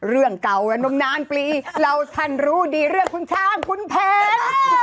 เรื่องเก่าระนมนานปลีเราท่านรู้ดีเรื่องคุณช้างคุณแผน